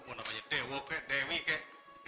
mau namanya dewo kek dewi kek